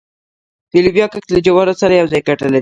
د لوبیا کښت له جوارو سره یوځای ګټه لري؟